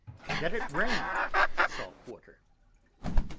_ that it rain'd salt Water.